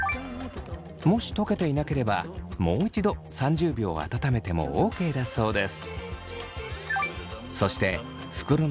もし溶けていなければもう一度３０秒温めてもＯＫだそうです。